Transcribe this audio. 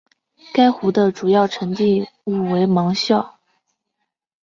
该湖的主要沉积物为芒硝。